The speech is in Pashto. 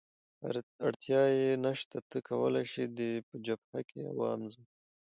اړتیا یې نشته، ته کولای شې دی په جبهه کې وآزموېې.